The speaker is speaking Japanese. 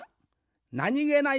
なにげない